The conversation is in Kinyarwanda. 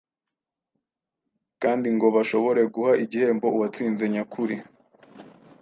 kandi ngo bashobore guha igihembo uwatsinze nyakuri.